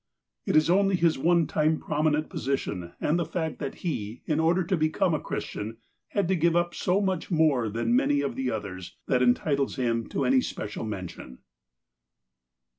It is only his one time prominent position, and the fact that he, in order to become a Christian, had to give up so much more than many of the others, that entitles him to any special meution.